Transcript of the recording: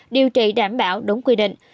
điều trị đảm bảo đúng quy định